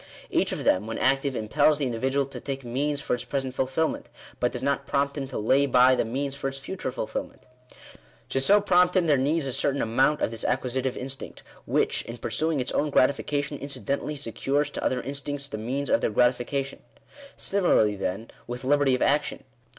Each of them, when active, im pels the individual to take means for its present fulfilment ; but does not prompt him to lay by the means for its future fulfil ment. To so prompt him there needs a certain amount of this acquisitive instinct, which, in pursuing its own gratification, inci dentally secures to other instincts the means of their gratification. Digitized by VjOOQIC 96 SECONDARY DERIVATION OF A FIRST PRINCIPLE. Similarly, then, with liberty of action.